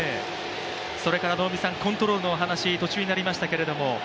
それからコントロールのお話が途中になりましたけど。